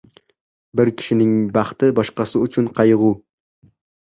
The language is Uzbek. • Bir kishining baxti boshqasi uchun qayg‘u.